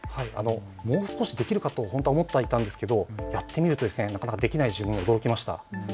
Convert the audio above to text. もう少しできるかと思っていたんですけれどもやってみるとなかなかできない自分に驚きました。